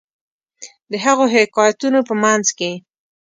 د هغو حکایتونو په منځ کې.